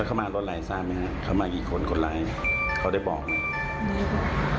แล้วเขามาลดไลน์สร้างไหมฮะเขามากี่คนคนร้ายเขาได้บอกไหม